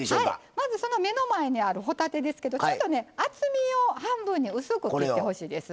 まず目の前にある帆立てですがちょっとね厚みを半分に薄く切ってほしいです。